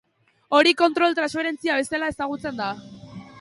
Hori kontrol-transferentzia bezala ezagutzen da.